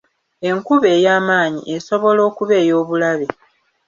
Enkuba ey'amaanyi esobola okuba ey'obulabe.